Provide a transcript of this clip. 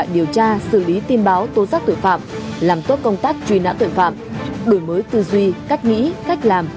điều tra xử lý tin báo tố giác tội phạm làm tốt công tác truy nã tội phạm đổi mới tư duy cách nghĩ cách làm